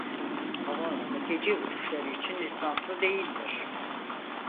Havaalanı gece uçuşları için lisanslı değildir.